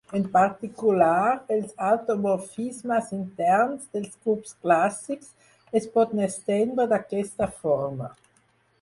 En particular, els automorfismes interns dels grups clàssics es poden estendre d'aquesta forma.